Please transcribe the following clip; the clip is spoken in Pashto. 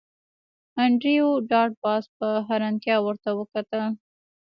انډریو ډاټ باس په حیرانتیا ورته وکتل